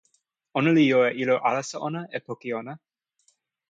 ona li jo e ilo alasa ona, e poki ona.